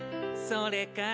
「それから」